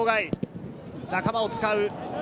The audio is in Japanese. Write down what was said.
仲間を使う。